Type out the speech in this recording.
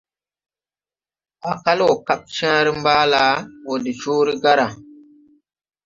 A kal wo kap caaré - maala wo de coore - gaara.